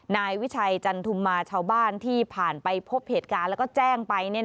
นายวิชัยจันทุมมาชาวบ้านที่ผ่านไปพบเหตุการณ์แล้วก็แจ้งไป